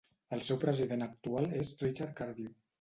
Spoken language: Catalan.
El seu president actual és Richard Cardew.